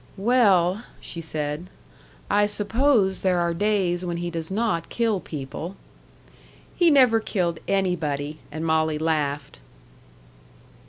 "Well," she said, "I suppose there are days when he does not kill people." "He never killed anybody!" And Molly laughed.